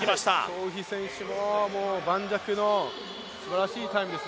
張雨霏選手も盤石のすばらしいタイムです。